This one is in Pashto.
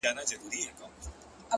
o ته مي کله هېره کړې يې ـ